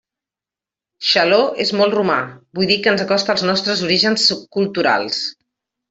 Xaló és molt romà, vull dir que ens acosta als nostres orígens culturals.